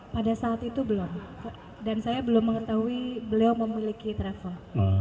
pada saat itu belum dan saya belum mengetahui beliau memiliki travel